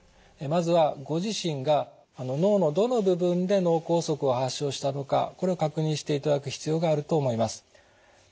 まずはご自身が脳のどの部分で脳梗塞を発症したのかこれを確認していただく必要があると思います。